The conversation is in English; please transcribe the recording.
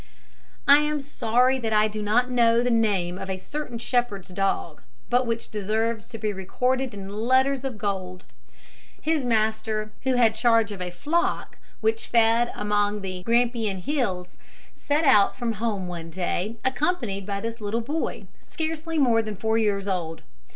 I am sorry that I do not know the name of a certain shepherd's dog, but which deserves to be recorded in letters of gold. His master, who had charge of a flock which fed among the Grampian Hills, set out from home one day accompanied by his little boy, scarcely more than four years old.